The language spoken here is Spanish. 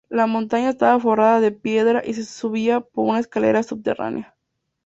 La montaña estaba forrada de piedra y se subía por una escalera subterránea.